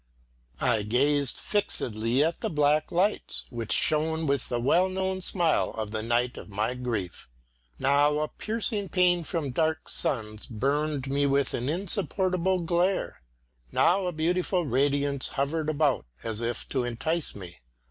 I gazed fixedly at the black lights, which shone with a well known smile in the night of my grief. Now a piercing pain from dark suns burned me with an insupportable glare, now a beautiful radiance hovered about as if to entice me.